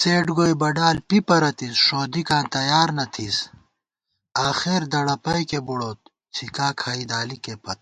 څېڈ گوئی بڈال پی پرَتِس ݭودِکاں تیار نہ تھِس * آخر دڑَپئیکے بُڑوت څِھکا کھائی دالِکے پت